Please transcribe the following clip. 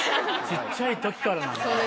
ちっちゃい時からなんだ。